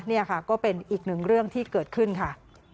นี่ค่ะก็เป็นอีกหนึ่งเรื่องที่เกิดขึ้นค่ะ